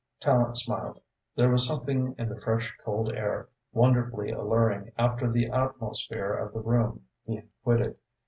Tallente smiled. There was something in the fresh, cold air wonderfully alluring after the atmosphere of the room he had quitted.